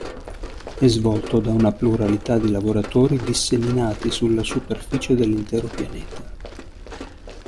È svolto da una pluralità di lavoratori disseminati sulla superficie dell'intero pianeta.